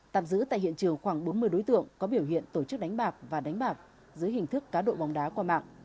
tạm giữ tại hiện trường khoảng bốn mươi đối tượng có biểu hiện tổ chức đánh bạc và đánh bạc dưới hình thức cá độ bóng đá qua mạng